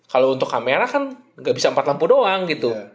kalau untuk kamera kan nggak bisa empat lampu doang gitu